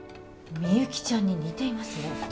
みゆきちゃんに似ていますね